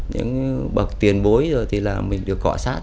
những bậc tiền bối rồi thì là mình được cọ sát